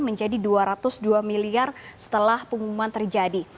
menjadi dua ratus dua miliar setelah pengumuman terjadi